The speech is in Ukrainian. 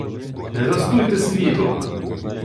— Не застуйте світла!